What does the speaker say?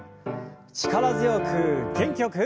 力強く元気よく。